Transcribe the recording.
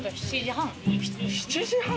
７時半？